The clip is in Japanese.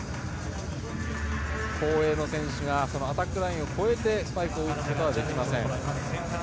後衛の選手がアタックラインを越えてスパイクを打つことはできません。